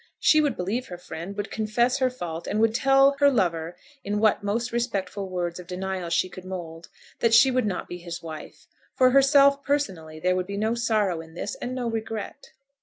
She would believe her friend, would confess her fault, and would tell her lover in what most respectful words of denial she could mould, that she would not be his wife. For herself personally, there would be no sorrow in this, and no regret.